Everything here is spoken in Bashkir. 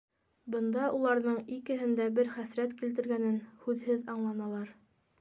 Бында уларҙың икеһен дә бер хәсрәт килтергәнен һүҙһеҙ аңланылар.